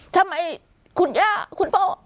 ทำไมคุณย่าคุณพ่อ